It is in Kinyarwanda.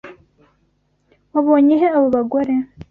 Wabonye he abo bagore?